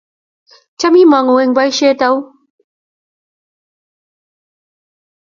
Cham imangu eng boisiet au?